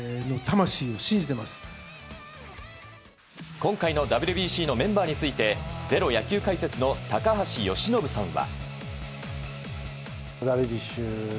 今回のＷＢＣのメンバーについて「ｚｅｒｏ」野球解説の高橋由伸さんは。